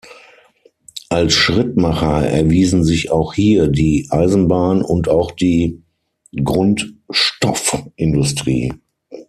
Als Schrittmacher erwiesen sich auch hier die Eisenbahn und auch die Grundstoffindustrie.